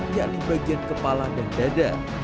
yang di bagian kepala dan dada